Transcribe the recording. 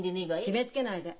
決めつけないで！